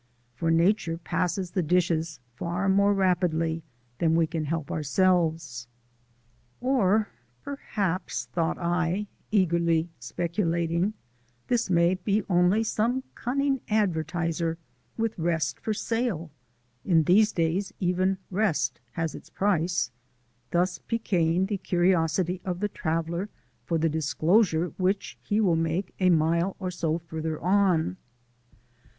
For nature passes the dishes far more rapidly than we can help ourselves. Or perhaps, thought I, eagerly speculating, this may be only some cunning advertiser with rest for sale (in these days even rest has its price), thus piquing the curiosity of the traveller for the disclosure which he will make a mile or so farther on.